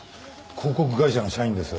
広告会社の社員です。